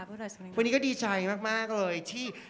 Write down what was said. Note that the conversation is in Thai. วันนี้ก็ดีใจมากเลยที่